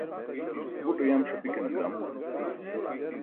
buṭ uyam ṣapikan etam